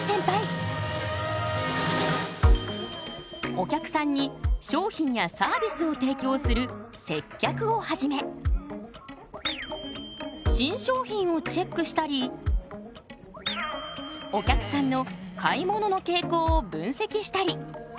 お客さんに商品やサービスを提供する接客をはじめ新商品をチェックしたりお客さんの買い物の傾向を分析したり。